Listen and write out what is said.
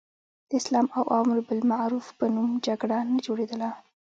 د اسلام او امر بالمعروف په نوم جګړه نه جوړېدله.